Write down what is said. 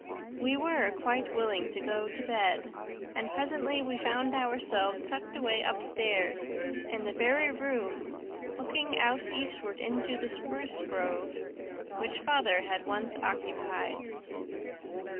We were quite willing to go to bed; and presently we found ourselves tucked away upstairs in the very room, looking out eastward into the spruce grove, which father had once occupied.